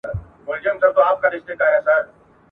او مېر من یې وه له رنګه ډېره ښکلې ..